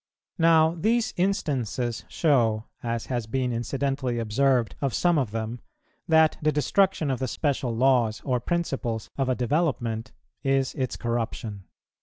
Now, these instances show, as has been incidentally observed of some of them, that the destruction of the special laws or principles of a development is its corruption.